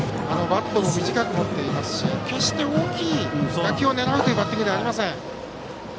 バットも短く持っていますし決して、大きい打球を狙うバッティングではありません。